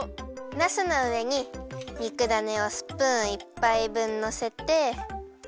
なすのうえににくだねをスプーン１ぱい分のせて。